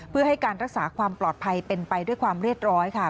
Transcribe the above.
เพื่อให้การรักษาความปลอดภัยเป็นไปด้วยความเรียบร้อยค่ะ